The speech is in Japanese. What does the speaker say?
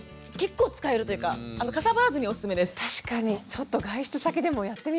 ちょっと外出先でもやってみます。